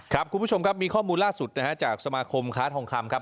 คุณผู้ชมครับมีข้อมูลล่าสุดนะฮะจากสมาคมค้าทองคำครับ